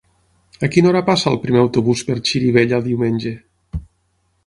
A quina hora passa el primer autobús per Xirivella diumenge?